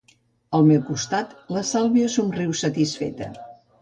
Al meu costat, la Sàlvia somriu satisfeta.